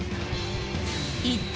一体